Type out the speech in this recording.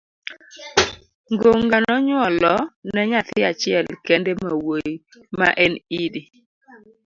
Ngunga nonyuolo ne nyathi achiel kende mawuoyi ma en Idi